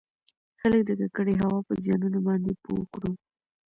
خلــک د ککـړې هـوا پـه زيـانونو بانـدې پـوه کـړو٫